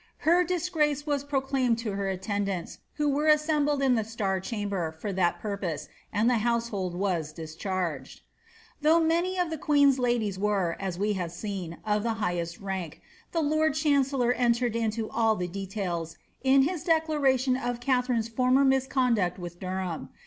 Her disgrace was proclaimed u> her attendants, who were assembled in the Siar chainber for that por* pose, and the household was discharged. Tiiou^h many of the queen^s ladies were, as we have seen, of the highest rank, the lord chancellor entered into all the details, in his de claration of Katharine's former misconduct with Derham.